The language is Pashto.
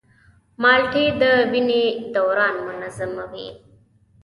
مالټې د وینې دوران منظموي.